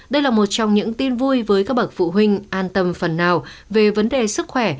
đây là một trong những tin vui với các bậc phụ huynh an tâm phần nào về vấn đề sức khỏe